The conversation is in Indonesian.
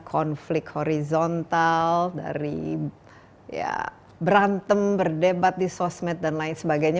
konflik horizontal dari ya berantem berdebat di sosmed dan lain sebagainya